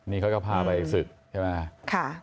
นี่เขาก็พาไปศึกใช่ไหม